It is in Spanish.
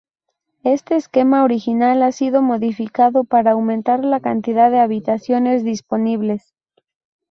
Este esquema original ha sido modificado para aumentar la cantidad de habitaciones disponibles.